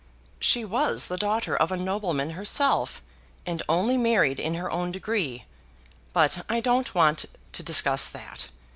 "She was the daughter of a nobleman herself, and only married in her own degree. But I don't want to discuss that.